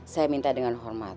saya minta dengan hormat